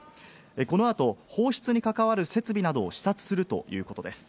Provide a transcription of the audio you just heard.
この後、放出に関わる設備などを視察するということです。